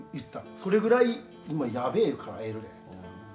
それぐらい今やべえからエルレみたいな。